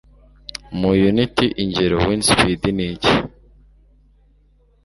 Mu Unit ingero Wind Speed ni iki?